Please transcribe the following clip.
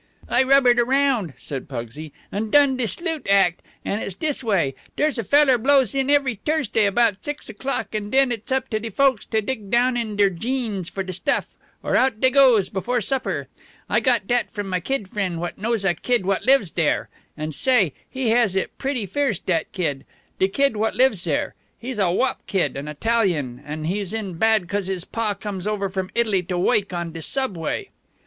"I rubbered around," said Pugsy, "an' done de sleut' act, an' it's this way. Dere's a feller blows in every T'ursday 'bout six o'clock, an' den it's up to de folks to dig down inter deir jeans for de stuff, or out dey goes before supper. I got dat from my kid frien' what knows a kid what lives dere. An' say, he has it pretty fierce, dat kid. De kid what lives dere. He's a wop kid, an Italian, an' he's in bad 'cos his pa comes over from Italy to woik on de subway."